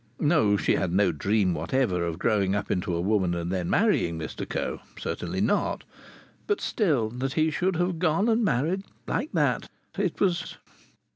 No! She had no dream whatever of growing up into a woman and then marrying Mr Coe! Certainly not. But still, that he should have gone and married, like that ... it was....